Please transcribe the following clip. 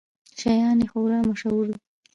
شیان یې خورا مشهور دي.